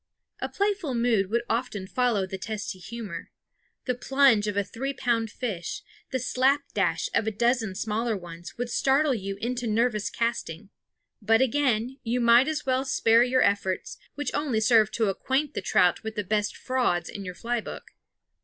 A playful mood would often follow the testy humor. The plunge of a three pound fish, the slap dash of a dozen smaller ones would startle you into nervous casting. But again you might as well spare your efforts, which only served to acquaint the trout with the best frauds in your fly book.